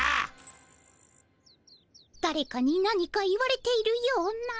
だれかに何か言われているような。